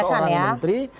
sebagai seorang menteri